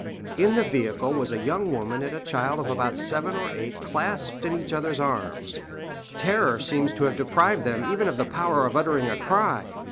In the vehicle was a young woman and a child of about seven or eight clasped in each other's arms. Terror seemed to have deprived them even of the power of uttering a cry.